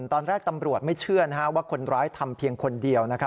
ตอนแรกตำรวจไม่เชื่อว่าคนร้ายทำเพียงคนเดียว